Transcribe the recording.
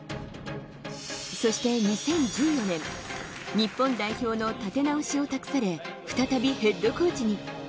そして２０１２年、日本代表の立て直しを託され再びヘッドコーチに。